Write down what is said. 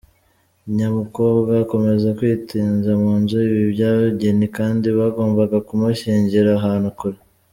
Nyamukobwa akomeza kwitinza mu nzu ibi by’abageni kandi bagombaga kumushyingira ahantu kure.